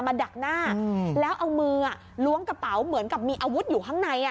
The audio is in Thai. ดักหน้าแล้วเอามือล้วงกระเป๋าเหมือนกับมีอาวุธอยู่ข้างใน